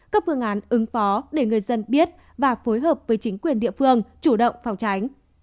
các phương án ứng phó để người dân biết và phối hợp với chính quyền địa phương chủ động phòng tránh